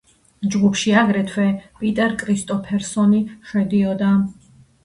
ჯგუფში აგრეთვე პიტერ კრისტოფერსონი შედიოდა.